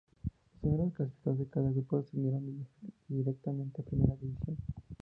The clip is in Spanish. Los primeros clasificados de cada grupo ascendieron directamente a Primera División.